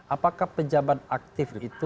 apakah pejabat aktif itu